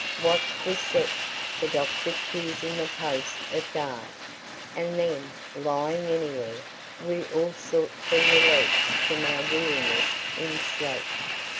Watch was set, the doctor choosing the post of guard, and then, lying anywhere, we all sought for relief from our weariness in sleep.